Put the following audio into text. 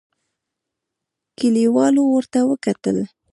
کليوالو ورته وکتل.